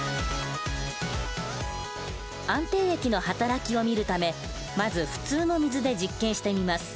安定液の働きを見るためまず普通の水で実験してみます。